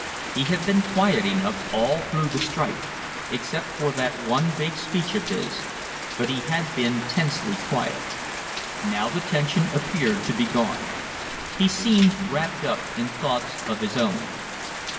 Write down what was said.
He had been quiet enough all through the strike, except for that one big speech of his but he had been tensely quiet. Now the tension appeared to be gone. He seemed wrapped up in thoughts of his own.